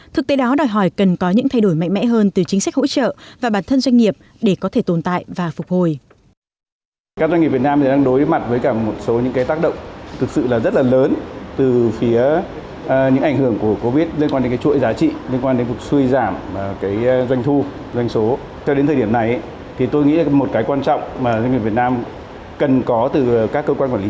thực tế đó đòi hỏi cần có những thay đổi mạnh mẽ hơn từ chính sách hỗ trợ và bản thân doanh nghiệp để có thể tồn tại và phục hồi